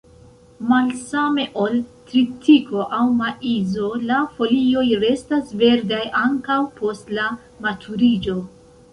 Malsame ol tritiko aŭ maizo, la folioj restas verdaj ankaŭ post la maturiĝo.